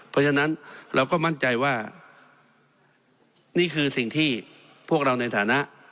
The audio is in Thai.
เพราะฉะนั้นเราก็มั่นใจว่านี่คือสิ่งที่พวกเราในฐานะ